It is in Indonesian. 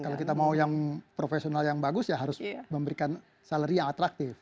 kalau kita mau yang profesional yang bagus ya harus memberikan salary yang atraktif